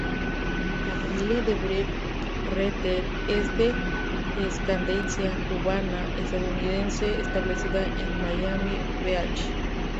La familia de Brett Ratner es de ascendencia cubana-estadounidense establecida en Miami Beach.